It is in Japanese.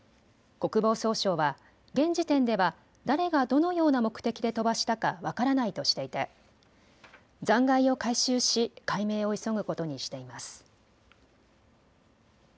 国防総省は現時点では誰がどのような目的で飛ばしたか分からないとしていて残骸を回収し解明を急ぐことにしています。